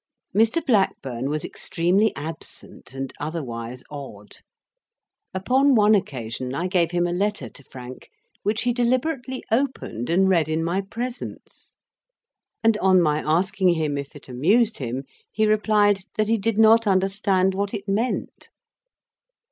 Mr. Blackburn was extremely absent and otherwise odd: upon one occasion I gave him a letter to frank, which he deliberately opened and read in my presence; and on my asking him if it amused him, he replied that he did not understand what it meant.